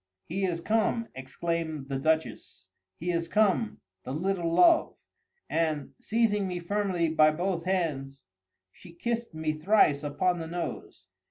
"He is come!" exclaimed the Duchess. "He is come, the little love!"—and, seizing me firmly by both hands, she kissed me thrice upon the nose.